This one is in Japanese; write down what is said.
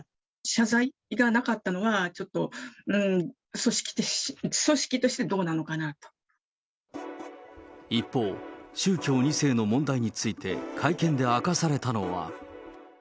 謝罪がなかったのはちょっと、うーん、一方、宗教２世の問題について、会見で明かされたのは。